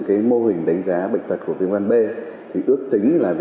cảm ơn các bạn đã theo dõi